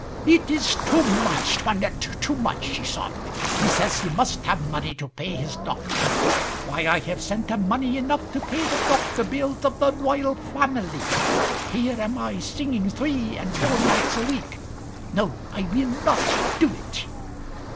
"It is too much, 'Toinette, too much," she sobbed. "He says he must have money to pay his doctor. Why I have sent him money enough to pay the doctor bills of the royal family. Here am I singing three and four nights a week,—no, I will not do it."